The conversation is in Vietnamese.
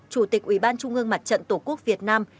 chủ tịch ủy ban trung ương mặt trận tổ quốc việt nam